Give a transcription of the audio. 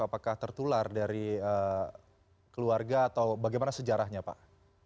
apakah tertular dari keluarga atau bagaimana sejarahnya pak